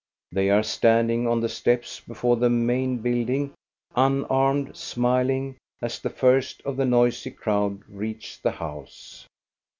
They are standing on the steps before the main building, unarmed, smiling, as the first of the noisy crowd reach the house.